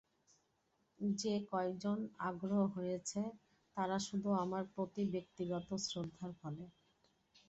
যে কয়জন গ্রাহক হয়েছে, তারা শুধু আমার প্রতি ব্যক্তিগত শ্রদ্ধার ফলে।